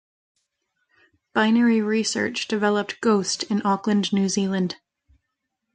Binary Research developed Ghost in Auckland, New Zealand.